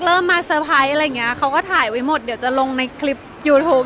เริ่มมาเตอร์ไพรส์อะไรอย่างเงี้ยเขาก็ถ่ายไว้หมดเดี๋ยวจะลงในคลิปยูทูป